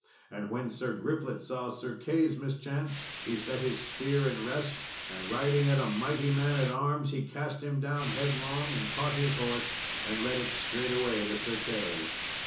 And when Sir Griflet saw Sir Key's mischance, he set his spear in rest, and riding at a mighty man at arms, he cast him down headlong and caught his horse and led it straightway to Sir Key.